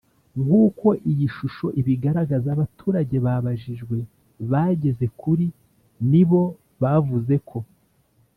Nk uko iyi shusho ibigaragaza abaturage babajijwe bageze kuri nibo bavuze ko